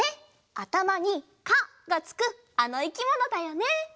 あたまに「か」がつくあのいきものだよね！